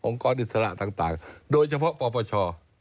กรอิสระต่างโดยเฉพาะปปช